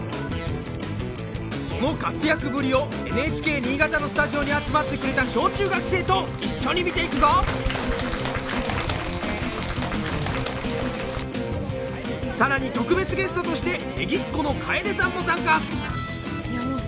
その活躍ぶりをＮＨＫ新潟のスタジオに集まってくれた小中学生と一緒に見ていくぞ更に特別ゲストとしてＮｅｇｉｃｃｏのＫａｅｄｅさんも参加！